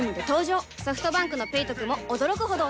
ソフトバンクの「ペイトク」も驚くほどおトク